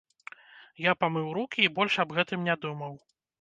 Я памыў рукі і больш аб гэтым не думаў.